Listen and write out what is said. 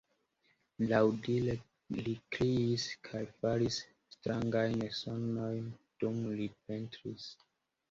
Laŭdire li kriis kaj faris strangajn sonojn dum li pentris.